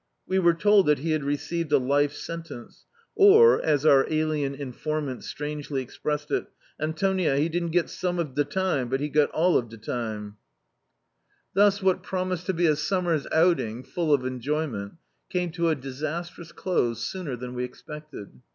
We were told that he had received a life sentence; or, as our alien informant strangely ex pressed it — "Antonia, he didn't get some of de time, but he got all of de time." D,i.,.db, Google A Tramp's Summer Vacation Thus what promised to be a summer's outing full of enjoyment, came to a disastrous close sooner than we expected.